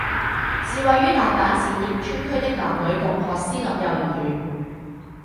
是位于大阪市淀川区的男女共学私立幼儿园。